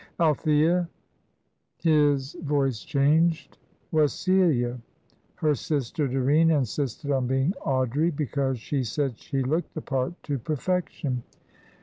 Althea" his voice changed "was Celia; her sister Doreen insisted on being Audrey, because she said she looked the part to perfection."